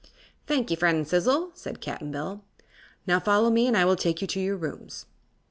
"Thank 'e, friend Sizzle," said Cap'n Bill. "Now follow me and I will take you to your rooms."